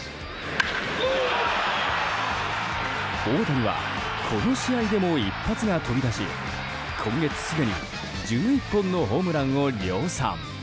大谷はこの試合でも一発が飛び出し今月すでに１１本のホームランを量産。